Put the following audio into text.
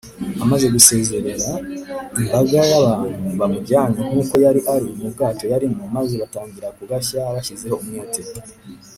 amaze gusezerera imbaga y’abantu, bamujyanye “nk’uko yari ari” mu bwato yarimo, maze batangira kugashya bashyizeho umwete